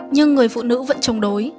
nhưng người phụ nữ vẫn chống đối